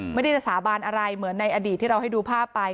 ไม่ได้จะสาบานอะไรเหมือนในอดีตที่เราให้ดูภาพไป